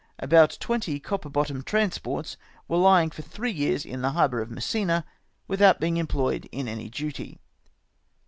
About twenty copper bottomed trans ports were lying for three years in the harbour of Messina, without being employed in any duty."